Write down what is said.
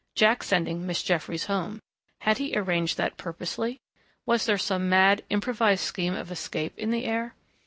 Jack sending Miss Jeffries home.... Had he arranged that purposely? Was there some mad, improvised scheme of escape in the air?